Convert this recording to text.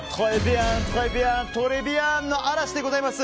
トレビアン、トレビアンの嵐でございます。